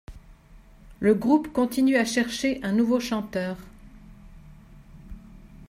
Le groupe continue à chercher un nouveau chanteur.